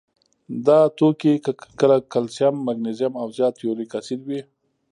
دا توکي کله کلسیم، مګنیزیم او زیات یوریک اسید وي.